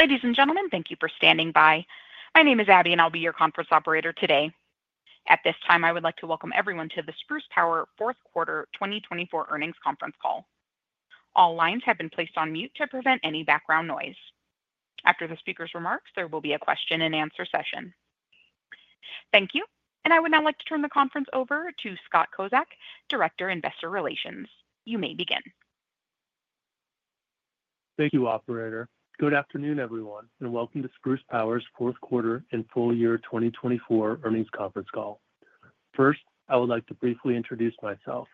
Ladies and gentlemen, thank you for standing by. My name is Abby, and I'll be your conference operator today. At this time, I would like to welcome everyone to the Spruce Power Fourth Quarter 2024 Earnings Conference Call. All lines have been placed on mute to prevent any background noise. After the speaker's remarks, there will be a question-and-answer session. Thank you, and I would now like to turn the conference over to Scott Kozak, Director of Investor Relations. You may begin. Thank you, operator. Good afternoon, everyone, and welcome to Spruce Power's Fourth Quarter and Full Year 2024 Earnings Conference Call. First, I would like to briefly introduce myself.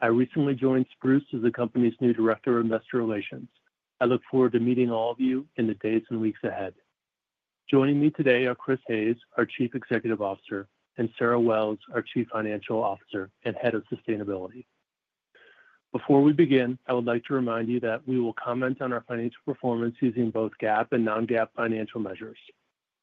I recently joined Spruce as the company's new Director of Investor Relations. I look forward to meeting all of you in the days and weeks ahead. Joining me today are Chris Hayes, our Chief Executive Officer, and Sarah Wells, our Chief Financial Officer and Head of Sustainability. Before we begin, I would like to remind you that we will comment on our financial performance using both GAAP and non-GAAP financial measures.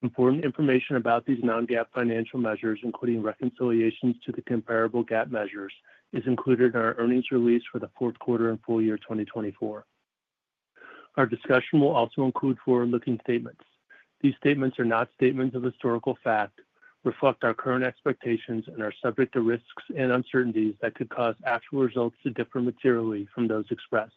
Important information about these non-GAAP financial measures, including reconciliations to the comparable GAAP measures, is included in our earnings release for the fourth quarter and full year 2024. Our discussion will also include forward-looking statements. These statements are not statements of historical fact, reflect our current expectations, and are subject to risks and uncertainties that could cause actual results to differ materially from those expressed.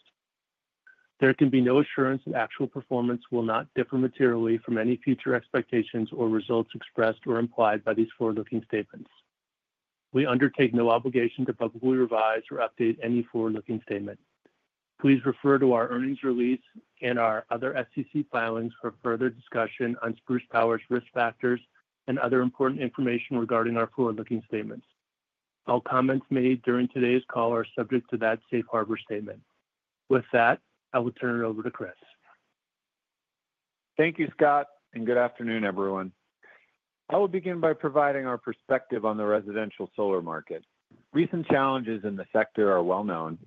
There can be no assurance that actual performance will not differ materially from any future expectations or results expressed or implied by these forward-looking statements. We undertake no obligation to publicly revise or update any forward-looking statement. Please refer to our earnings release and our other SEC filings for further discussion on Spruce Power's risk factors and other important information regarding our forward-looking statements. All comments made during today's call are subject to that Safe Harbor statement. With that, I will turn it over to Chris. Thank you, Scott, and good afternoon, everyone. I will begin by providing our perspective on the residential solar market. Recent challenges in the sector are well known,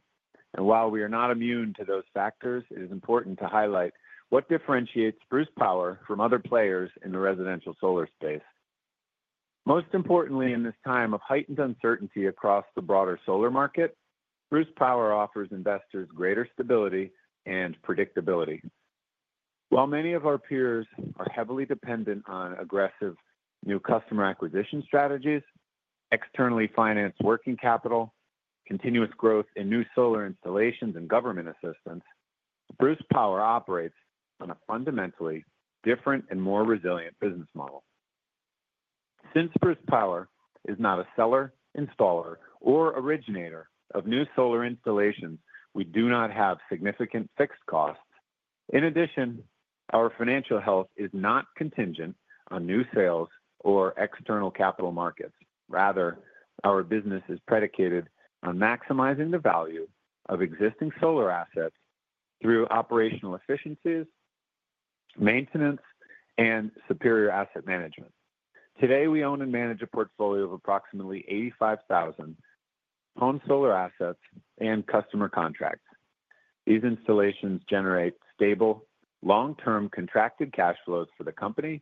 and while we are not immune to those factors, it is important to highlight what differentiates Spruce Power from other players in the residential solar space. Most importantly, in this time of heightened uncertainty across the broader solar market, Spruce Power offers investors greater stability and predictability. While many of our peers are heavily dependent on aggressive new customer acquisition strategies, externally financed working capital, continuous growth in new solar installations, and government assistance, Spruce Power operates on a fundamentally different and more resilient business model. Since Spruce Power is not a seller, installer, or originator of new solar installations, we do not have significant fixed costs. In addition, our financial health is not contingent on new sales or external capital markets. Rather, our business is predicated on maximizing the value of existing solar assets through operational efficiencies, maintenance, and superior asset management. Today, we own and manage a portfolio of approximately 85,000 home solar assets and customer contracts. These installations generate stable, long-term contracted cash flows for the company,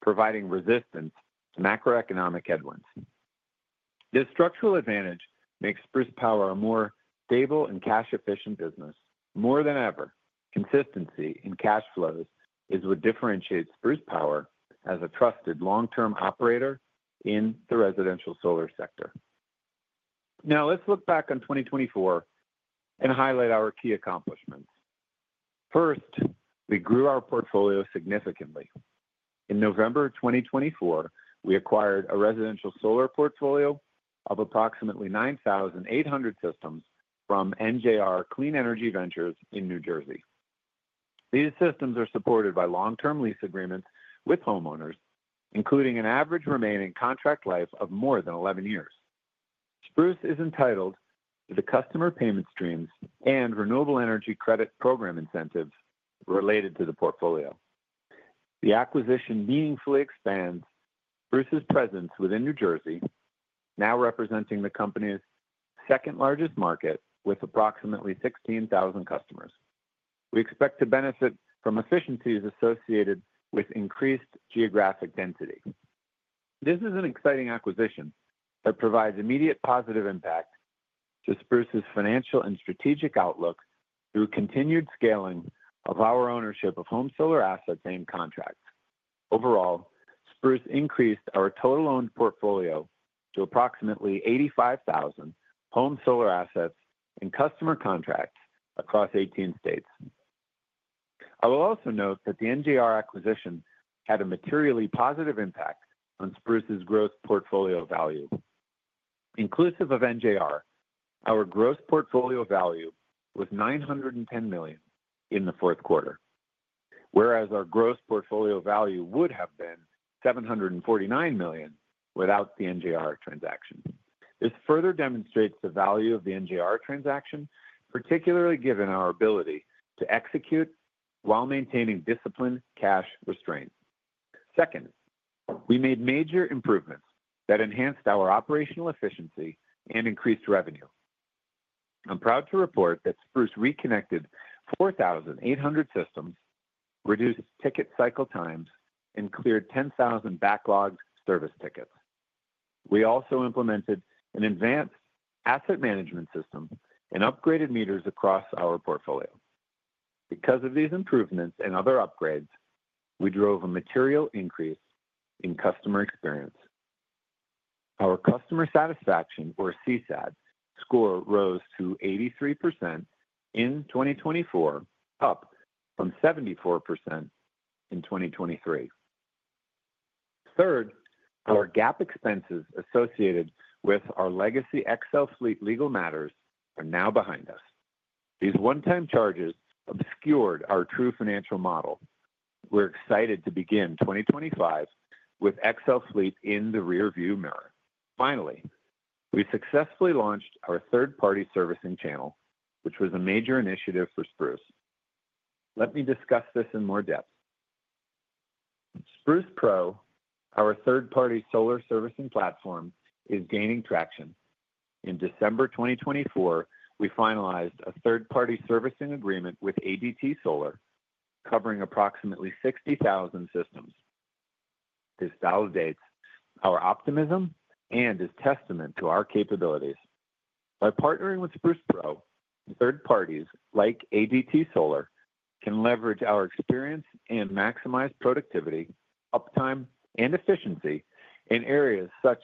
providing resistance to macroeconomic headwinds. This structural advantage makes Spruce Power a more stable and cash-efficient business. More than ever, consistency in cash flows is what differentiates Spruce Power as a trusted long-term operator in the residential solar sector. Now, let's look back on 2024 and highlight our key accomplishments. First, we grew our portfolio significantly. In November 2024, we acquired a residential solar portfolio of approximately 9,800 systems from NJR Clean Energy Ventures in New Jersey. These systems are supported by long-term lease agreements with homeowners, including an average remaining contract life of more than 11 years. Spruce is entitled to the customer payment streams and renewable energy credit program incentives related to the portfolio. The acquisition meaningfully expands Spruce's presence within New Jersey, now representing the company's second-largest market with approximately 16,000 customers. We expect to benefit from efficiencies associated with increased geographic density. This is an exciting acquisition that provides immediate positive impact to Spruce's financial and strategic outlook through continued scaling of our ownership of home solar assets and contracts. Overall, Spruce increased our total owned portfolio to approximately 85,000 home solar assets and customer contracts across 18 states. I will also note that the NJR acquisition had a materially positive impact on Spruce's gross portfolio value. Inclusive of NJR, our gross portfolio value was $910 million in the fourth quarter, whereas our gross portfolio value would have been $749 million without the NJR transaction. This further demonstrates the value of the NJR transaction, particularly given our ability to execute while maintaining discipline, cash restraint. Second, we made major improvements that enhanced our operational efficiency and increased revenue. I'm proud to report that Spruce reconnected 4,800 systems, reduced ticket cycle times, and cleared 10,000 backlogged service tickets. We also implemented an advanced asset management system and upgraded meters across our portfolio. Because of these improvements and other upgrades, we drove a material increase in customer experience. Our customer satisfaction, or CSAT score, rose to 83% in 2024, up from 74% in 2023. Third, our GAAP expenses associated with our legacy XL Fleet legal matters are now behind us. These one-time charges obscured our true financial model. We're excited to begin 2025 with XL Fleet in the rearview mirror. Finally, we successfully launched our third-party servicing channel, which was a major initiative for Spruce. Let me discuss this in more depth. Spruce Pro, our third-party solar servicing platform, is gaining traction. In December 2024, we finalized a third-party servicing agreement with ADT Solar, covering approximately 60,000 systems. This validates our optimism and is testament to our capabilities. By partnering with Spruce Pro, third parties like ADT Solar can leverage our experience and maximize productivity, uptime, and efficiency in areas such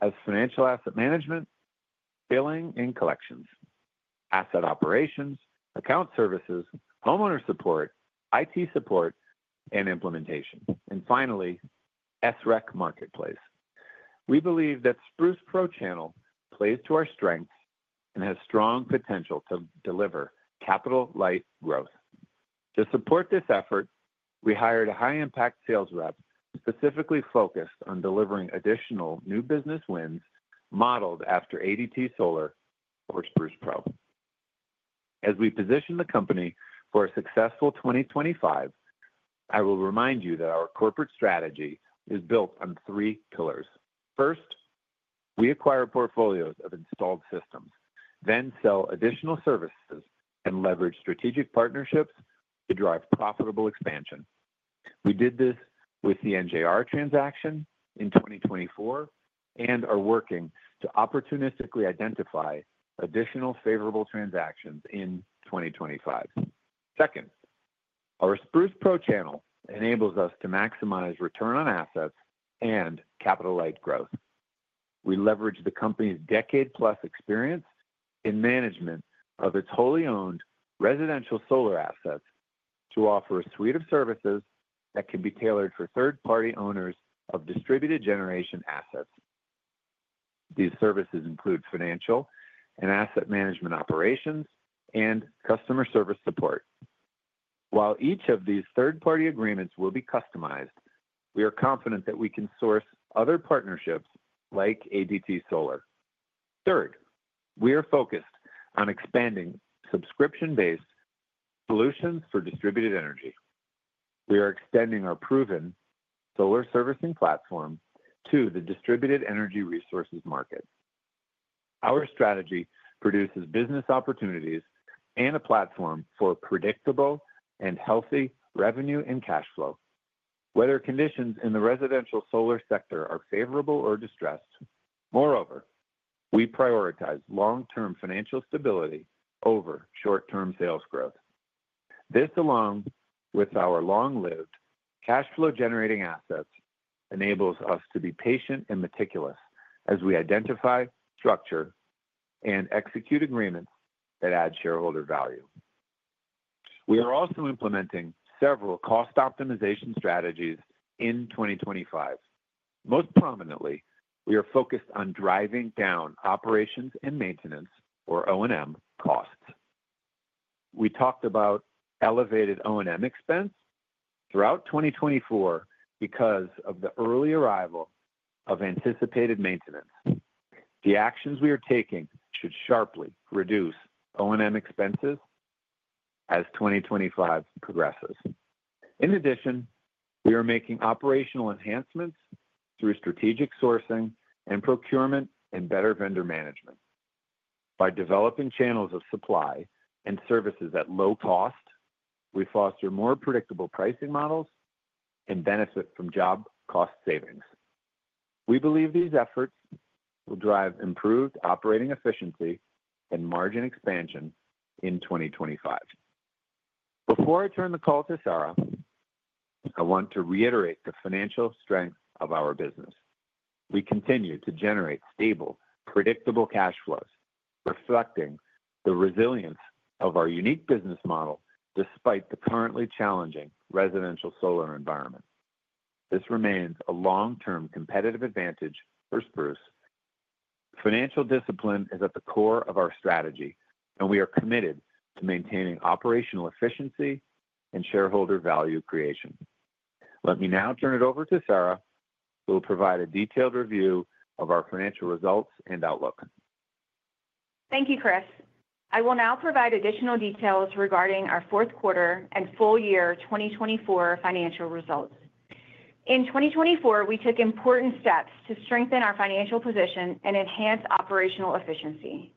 as financial asset management, billing and collections, asset operations, account services, homeowner support, IT support and implementation. Finally, SREC Marketplace. We believe that Spruce Pro channel plays to our strengths and has strong potential to deliver capital-light growth. To support this effort, we hired a high-impact sales rep specifically focused on delivering additional new business wins modeled after ADT Solar or Spruce Pro. As we position the company for a successful 2025, I will remind you that our corporate strategy is built on three pillars. First, we acquire portfolios of installed systems, then sell additional services, and leverage strategic partnerships to drive profitable expansion. We did this with the NJR transaction in 2024 and are working to opportunistically identify additional favorable transactions in 2025. Second, our Spruce Pro channel enables us to maximize return on assets and capital-light growth. We leverage the company's decade-plus experience in management of its wholly owned residential solar assets to offer a suite of services that can be tailored for third-party owners of distributed generation assets. These services include financial and asset management operations and customer service support. While each of these third-party agreements will be customized, we are confident that we can source other partnerships like ADT Solar. Third, we are focused on expanding subscription-based solutions for distributed energy. We are extending our proven solar servicing platform to the distributed energy resources market. Our strategy produces business opportunities and a platform for predictable and healthy revenue and cash flow, whether conditions in the residential solar sector are favorable or distressed. Moreover, we prioritize long-term financial stability over short-term sales growth. This, along with our long-lived cash flow-generating assets, enables us to be patient and meticulous as we identify, structure, and execute agreements that add shareholder value. We are also implementing several cost optimization strategies in 2025. Most prominently, we are focused on driving down operations and maintenance, or O&M, costs. We talked about elevated O&M expense throughout 2024 because of the early arrival of anticipated maintenance. The actions we are taking should sharply reduce O&M expenses as 2025 progresses. In addition, we are making operational enhancements through strategic sourcing and procurement and better vendor management. By developing channels of supply and services at low cost, we foster more predictable pricing models and benefit from job cost savings. We believe these efforts will drive improved operating efficiency and margin expansion in 2025. Before I turn the call to Sarah, I want to reiterate the financial strength of our business. We continue to generate stable, predictable cash flows, reflecting the resilience of our unique business model despite the currently challenging residential solar environment. This remains a long-term competitive advantage for Spruce. Financial discipline is at the core of our strategy, and we are committed to maintaining operational efficiency and shareholder value creation. Let me now turn it over to Sarah, who will provide a detailed review of our financial results and outlook. Thank you, Chris. I will now provide additional details regarding our fourth quarter and full year 2024 financial results. In 2024, we took important steps to strengthen our financial position and enhance operational efficiency.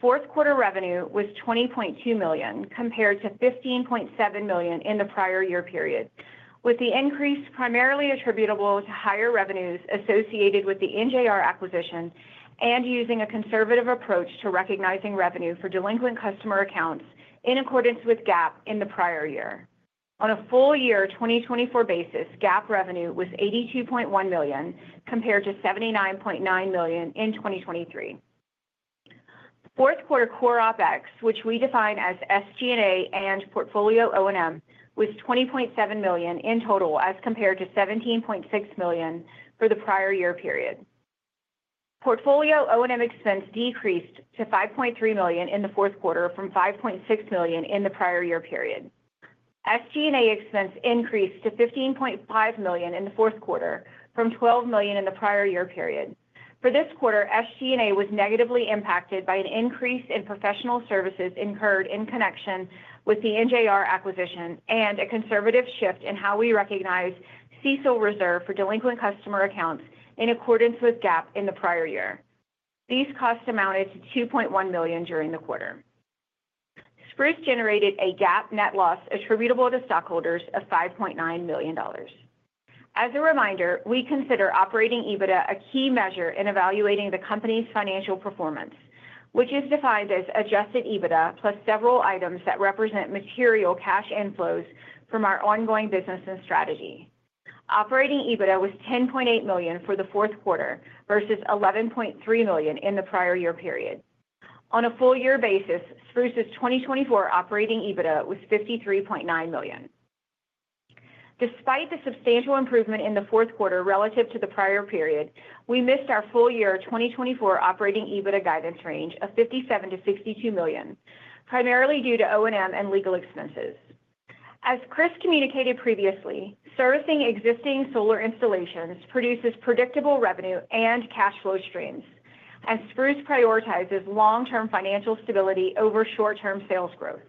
Fourth quarter revenue was $20.2 million compared to $15.7 million in the prior year period, with the increase primarily attributable to higher revenues associated with the NJR acquisition and using a conservative approach to recognizing revenue for delinquent customer accounts in accordance with GAAP in the prior year. On a full year 2024 basis, GAAP revenue was $82.1 million compared to $79.9 million in 2023. Fourth quarter core OpEx, which we define as SG&A and portfolio O&M, was $20.7 million in total as compared to $17.6 million for the prior year period. Portfolio O&M expense decreased to $5.3 million in the fourth quarter from $5.6 million in the prior year period. SG&A expense increased to $15.5 million in the fourth quarter from $12 million in the prior year period. For this quarter, SG&A was negatively impacted by an increase in professional services incurred in connection with the NJR acquisition and a conservative shift in how we recognize CECL reserve for delinquent customer accounts in accordance with GAAP in the prior year. These costs amounted to $2.1 million during the quarter. Spruce generated a GAAP net loss attributable to stockholders of $5.9 million. As a reminder, we consider operating EBITDA a key measure in evaluating the company's financial performance, which is defined as adjusted EBITDA plus several items that represent material cash inflows from our ongoing business and strategy. Operating EBITDA was $10.8 million for the fourth quarter versus $11.3 million in the prior year period. On a full year basis, Spruce's 2024 operating EBITDA was $53.9 million. Despite the substantial improvement in the fourth quarter relative to the prior period, we missed our full year 2024 operating EBITDA guidance range of $57 million-$62 million, primarily due to O&M and legal expenses. As Chris communicated previously, servicing existing solar installations produces predictable revenue and cash flow streams, and Spruce prioritizes long-term financial stability over short-term sales growth.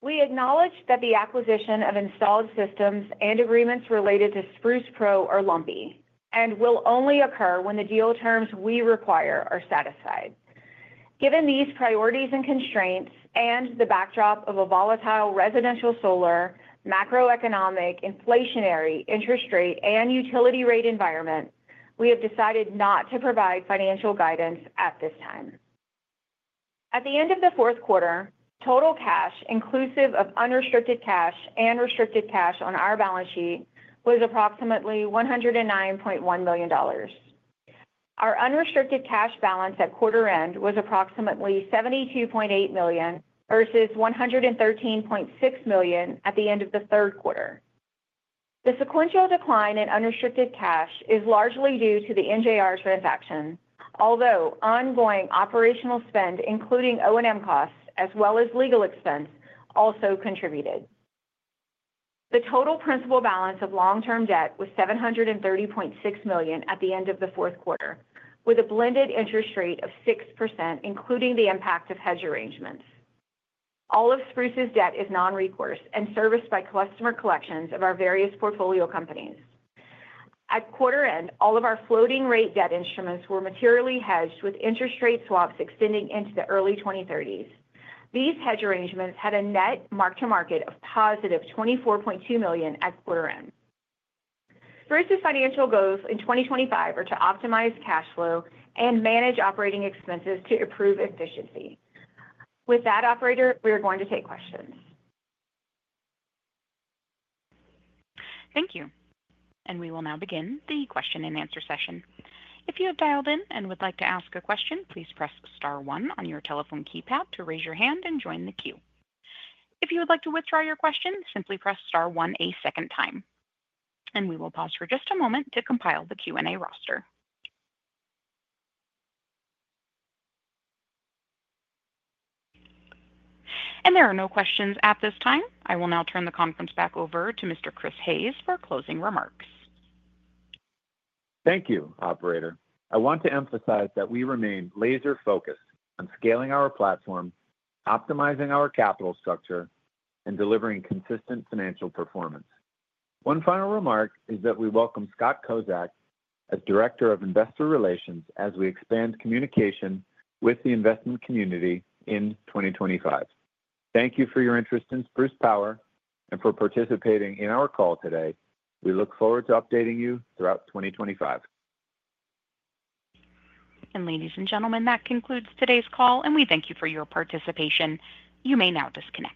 We acknowledge that the acquisition of installed systems and agreements related to Spruce Pro are lumpy and will only occur when the deal terms we require are satisfied. Given these priorities and constraints and the backdrop of a volatile residential solar, macroeconomic, inflationary interest rate, and utility rate environment, we have decided not to provide financial guidance at this time. At the end of the fourth quarter, total cash, inclusive of unrestricted cash and restricted cash on our balance sheet, was approximately $109.1 million. Our unrestricted cash balance at quarter end was approximately $72.8 million versus $113.6 million at the end of the third quarter. The sequential decline in unrestricted cash is largely due to the NJR transaction, although ongoing operational spend, including O&M costs as well as legal expense, also contributed. The total principal balance of long-term debt was $730.6 million at the end of the fourth quarter, with a blended interest rate of 6%, including the impact of hedge arrangements. All of Spruce's debt is non-recourse and serviced by customer collections of our various portfolio companies. At quarter end, all of our floating rate debt instruments were materially hedged with interest rate swaps extending into the early 2030s. These hedge arrangements had a net mark-to-market of positive $24.2 million at quarter end. Spruce's financial goals in 2025 are to optimize cash flow and manage operating expenses to improve efficiency. With that, operator, we are going to take questions. Thank you. We will now begin the question and answer session. If you have dialed in and would like to ask a question, please press star one on your telephone keypad to raise your hand and join the queue. If you would like to withdraw your question, simply press star one a second time. We will pause for just a moment to compile the Q&A roster. There are no questions at this time. I will now turn the conference back over to Mr. Chris Hayes for closing remarks. Thank you, Operator. I want to emphasize that we remain laser-focused on scaling our platform, optimizing our capital structure, and delivering consistent financial performance. One final remark is that we welcome Scott Kozak as Director of Investor Relations as we expand communication with the investment community in 2025. Thank you for your interest in Spruce Power and for participating in our call today. We look forward to updating you throughout 2025. Ladies and gentlemen, that concludes today's call, and we thank you for your participation. You may now disconnect.